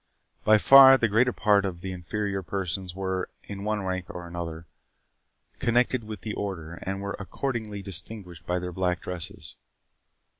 By far the greater part of those inferior persons were, in one rank or other, connected with the Order, and were accordingly distinguished by their black dresses.